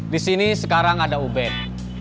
di sini sekarang ada ubed